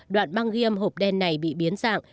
đoạn băng ghiêm hộp đen này bị biến dạng